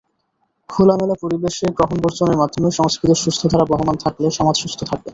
খোলামেলা পরিবেশে গ্রহণ-বর্জনের মাধ্যমে সংস্কৃতির সুস্থধারা বহমান থাকলে সমাজ সুস্থ থাকবে।